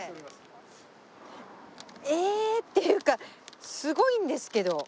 ええー！っていうかすごいんですけど。